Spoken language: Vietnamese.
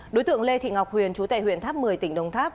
đối tượng lê thị ngọc huyền chú tại huyện tháp một mươi tỉnh đồng tháp